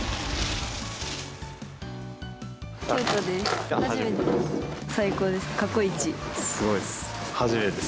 京都です。